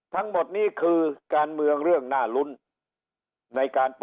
ทั้งหมดนี้คือการเมืองเรื่องน่าลุ้นในการ